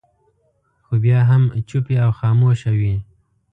خو بیا هم چوپې او خاموشه وي.